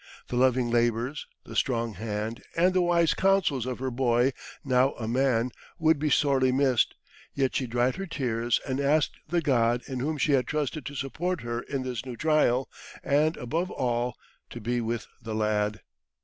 The loving labours, the strong hand, and the wise counsels of her boy, now a man, would be sorely missed, yet she dried her tears, and asked the God in whom she had trusted to support her in this new trial, and, above all, to be with the lad.